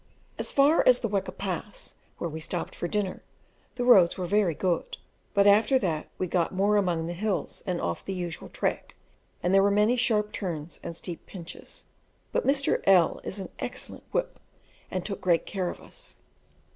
As far as the Weka Pass, where we stopped for dinner, the roads were very good, but after that we got more among the hills and off the usual track, and there were many sharp turns and steep pinches; but Mr. L is an excellent whip, and took great care of us.